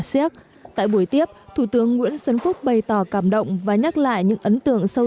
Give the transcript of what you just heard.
siếc tại buổi tiếp thủ tướng nguyễn xuân phúc bày tỏ cảm động và nhắc lại những ấn tượng sâu